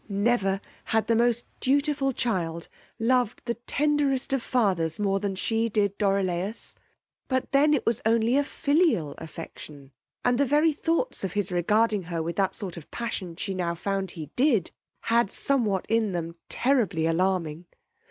Never had the most dutiful child loved the tenderest of fathers more than she did Dorilaus; but then it was only a filial affection, and the very thoughts of his regarding her with that sort of passion she now found he did, had somewhat in them terribly alarming.